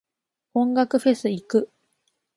音楽フェス行く。